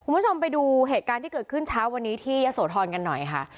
คุณผู้ชมไปดูเหตุการณ์ที่เกิดขึ้นเช้าวันนี้ที่ยะโสธรกันหน่อยค่ะ